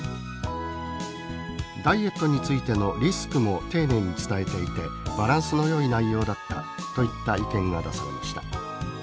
「ダイエットについてのリスクも丁寧に伝えていてバランスのよい内容だった」といった意見が出されました。